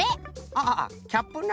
ああキャップな。